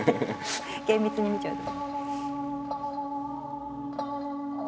厳密に見ちゃうと。